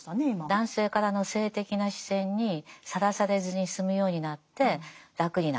男性からの性的な視線にさらされずに済むようになって楽になった。